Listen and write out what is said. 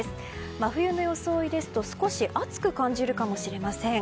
真冬の装いですと少し暑く感じるかもしれません。